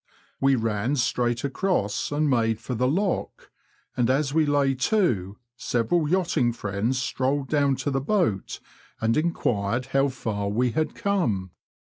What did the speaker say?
We ran straight across and made for the lock, and as we lay to, several yachting friends strolled down to the boat and enquired how far we had come.